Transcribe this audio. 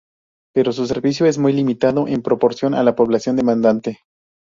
Pero su servicio es muy limitado en proporción a la población demandante.